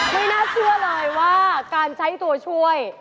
ไม่น่าเชื่อเลยว่าการใช้ตัวช่วย